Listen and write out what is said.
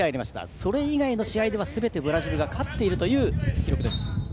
それ以外の試合ではすべてブラジルが勝っています。